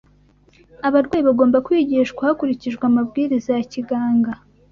Abarwayi bagomba kwigishwa hakurikijwe amabwiriza ya kiganga.